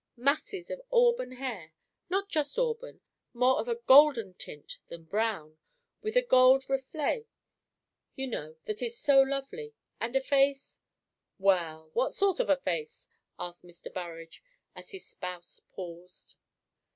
Masses of auburn hair not just auburn more of a golden tint than brown with a gold reflet, you know, that is so lovely; and a face " "Well, what sort of a face?" asked Mr. Burrage, as his spouse paused.